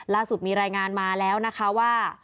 ล่าสุดมีรายงานมาแล้วนะคะว่า